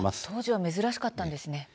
当時は珍しかったんですね。